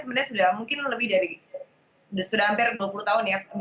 sebenarnya sudah mungkin lebih dari sudah hampir dua puluh tahun ya